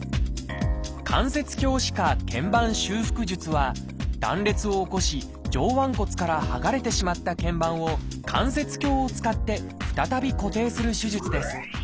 「関節鏡視下腱板修復術」は断裂を起こし上腕骨から剥がれてしまった腱板を関節鏡を使って再び固定する手術です。